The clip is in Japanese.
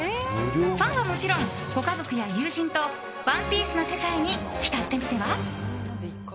ファンはもちろんご家族や友人と「ＯＮＥＰＩＥＣＥ」の世界に浸ってみては？